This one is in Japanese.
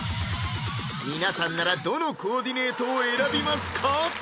皆さんならどのコーディネートを選びますか？